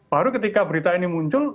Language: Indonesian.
baru ketika berita ini muncul